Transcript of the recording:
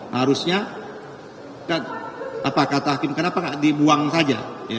harusnya apa kata hakim kenapa nggak dibuang saja